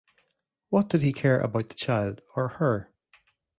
What did he care about the child or her?